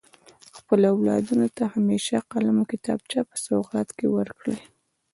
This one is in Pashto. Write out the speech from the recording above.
خپلو اولادونو ته همیشه قلم او کتابچه په سوغات کي ورکړئ.